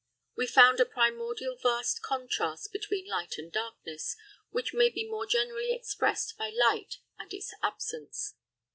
We found a primordial vast contrast between light and darkness, which may be more generally expressed by light and its absence.